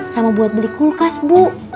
sama buat beli kulkas bu